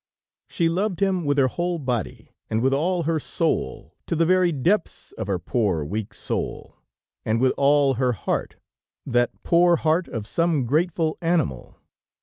"She loved him with her whole body, and with all her soul, to the very depths of her poor, weak soul, and with all her heart, that poor heart of some grateful animal.